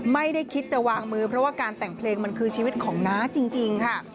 ไม่ได้คิดจะวางมือเพราะว่าการแต่งเพลงมันคือชีวิตของน้าจริงค่ะ